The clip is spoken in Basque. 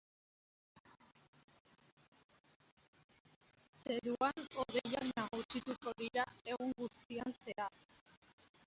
Zeruan hodeiak nagusituko dira egun guztian zehar.